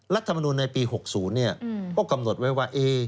รัฐมนุนในปี๖๐ก็กำหนดไว้ว่า